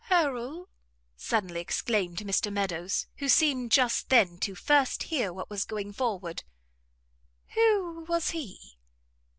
"Harrel?" suddenly exclaimed Mr Meadows, who seemed just then to first hear what was going forward, "who was he?"